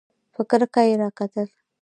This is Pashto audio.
په کرکه یې راکتل !